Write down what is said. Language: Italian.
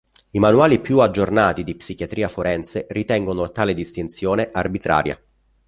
I manuali più aggiornati di psichiatria forense ritengono tale distinzione arbitraria.